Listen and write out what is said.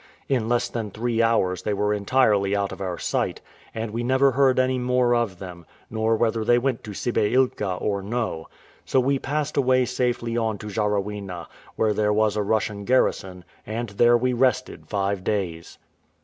In less than three hours they were entirely out of our sight, and we never heard any more of them, nor whether they went to Sibeilka or no. So we passed away safely on to Jarawena, where there was a Russian garrison, and there we rested five days.